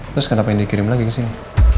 terus kenapa ingin dikirim lagi ke sini